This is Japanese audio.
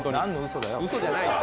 嘘じゃないよ。